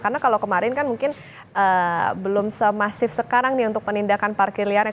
karena kalau kemarin kan mungkin belum semasif sekarang untuk penindakan parkir liarnya